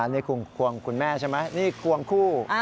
นี่ควงคุณแม่ใช่ไหมนี่ควงคู่